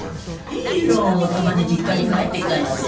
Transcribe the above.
いいろたまに実家に帰ってきたんやで。